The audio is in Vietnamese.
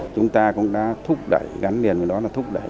chúng ta cũng đã thúc đẩy gắn liền với đó là thúc đẩy